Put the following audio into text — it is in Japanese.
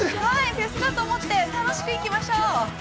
◆フェスだと思って楽しくいきましょう。